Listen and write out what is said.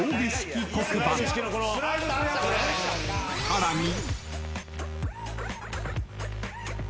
［さらに］